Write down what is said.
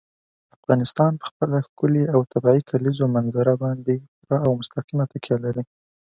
افغانستان په خپله ښکلې او طبیعي کلیزو منظره باندې پوره او مستقیمه تکیه لري.